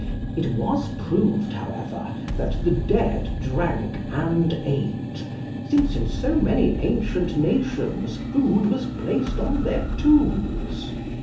It was proved, however, that the dead drank and ate, since in so many ancient nations food was placed on their tombs.